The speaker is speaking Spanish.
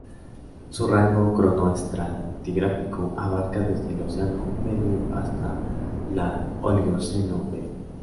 Su rango cronoestratigráfico abarca desde el Eoceno medio hasta la Oligoceno medio.